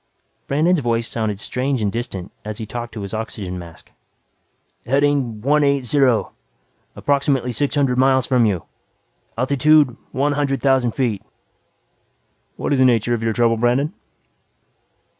Brandon's voice sounded strange and distant as he talked to his oxygen mask. "Heading one eight zero. Approximately six hundred miles from you. Altitude one hundred thousand feet." "What is the nature of your trouble, Brandon?"